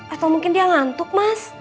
atau mungkin dia ngantuk mas